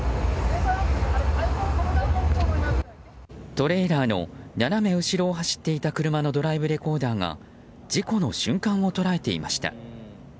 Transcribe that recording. トレーラーの斜め後ろを走っていた車のドライブレコーダーが事故の瞬間を捉えていました。